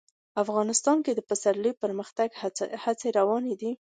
افغانستان کې د پسرلی د پرمختګ هڅې روانې دي.